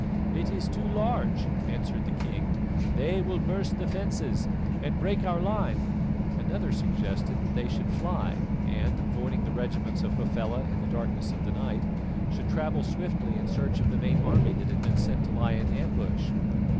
"It is too large," answered the king, "they will burst the fences and break our line." Another suggested that they should fly and, avoiding the regiments of Hafela in the darkness of the night, should travel swiftly in search of the main army that had been sent to lie in ambush.